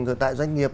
rồi tại doanh nghiệp